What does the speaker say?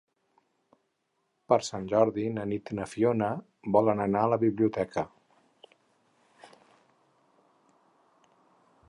Per Sant Jordi na Nit i na Fiona volen anar a la biblioteca.